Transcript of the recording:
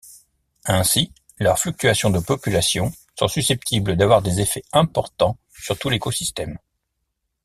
Ainsi, leurs fluctuations de population sont susceptibles d'avoir des effets importants sur tout l'écosystème.